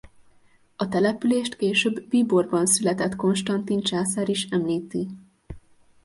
A települést később Bíborbanszületett Konstantin császár is említi.